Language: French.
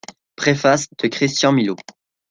Préface de Christian Millau.